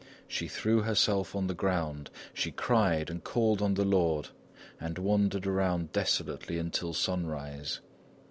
She threw herself on the ground, she cried and called on the Lord, and wandered around desolately until sunrise.